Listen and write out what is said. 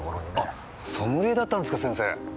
あソムリエだったんすか先生。